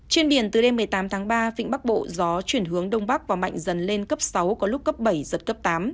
trên biển từ đêm một mươi tám tháng ba vịnh bắc bộ gió chuyển hướng đông bắc và mạnh dần lên cấp sáu có lúc cấp bảy giật cấp tám